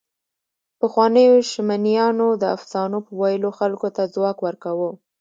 پخوانيو شمنیانو د افسانو په ویلو خلکو ته ځواک ورکاوه.